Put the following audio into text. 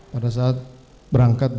pada saat berangkat